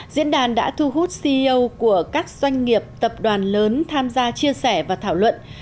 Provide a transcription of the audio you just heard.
diễn đàn đã thu hút ceo của các doanh nghiệp tập đoàn lớn tham gia chia sẻ và thảo luận